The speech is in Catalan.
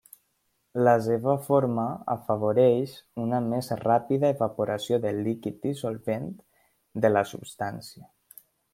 La seva forma afavoreix una més ràpida evaporació del líquid dissolvent de la substància.